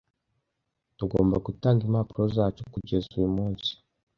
Tugomba gutanga impapuro zacu kugeza uyu munsi.